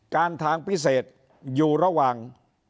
ทางพิเศษอยู่ระหว่าง